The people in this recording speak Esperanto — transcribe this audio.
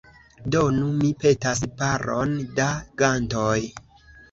Donu, mi petas, paron da gantoj.